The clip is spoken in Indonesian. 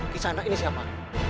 kisah anak ini siapa